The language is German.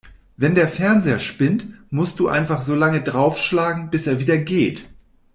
Wenn der Fernseher spinnt, musst du einfach so lange draufschlagen, bis er wieder geht.